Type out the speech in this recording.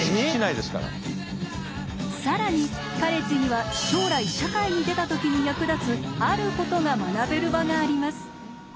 更にカレッジには将来社会に出た時に役立つあることが学べる場があります。